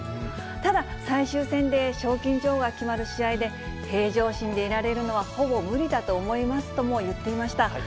ただ、最終戦で賞金女王が決まる試合で、平常心でいられるのは、ほぼ無理だと思いますとも言っていました。